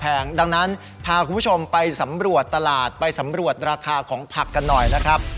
ดังนั้นพาคุณผู้ชมไปสำรวจตลาดไปสำรวจราคาของผักกันหน่อยนะครับ